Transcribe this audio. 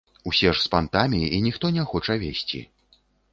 Усе ж з пантамі, і ніхто не хоча весці.